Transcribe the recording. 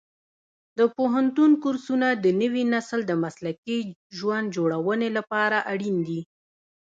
د پوهنتون کورسونه د نوي نسل د مسلکي ژوند جوړونې لپاره اړین دي.